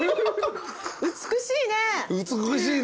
美しいね！